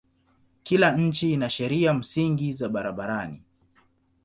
Kila nchi ina sheria msingi za barabarani.